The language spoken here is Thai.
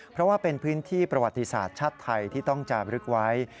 เพราะว่าเป็นพื้นที่ประวัติศาสตร์ชาติไทยที่ต้องจาบรึกไว้